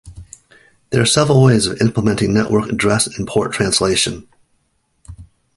There are several ways of implementing network address and port translation.